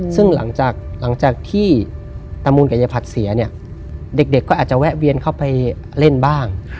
ซึ่งหลังจากที่ตามูลกับยายผัดเสียเนี่ยเด็กก็อาจจะแวะเวียนเข้าไปเล่นบ้าง